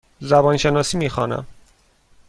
زبان شناسی می خوانم.